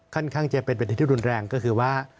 ค่อนข้างจะเป็นวิธีที่รุนแรงก็คือว่า